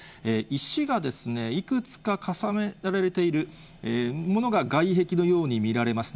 石がいくつか重ねられているものが外壁のように見られます。